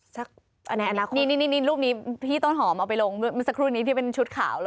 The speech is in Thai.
สักอันนี้รูปนี้พี่ต้นหอมเอาไปลงสักครู่นี้ที่เป็นชุดขาว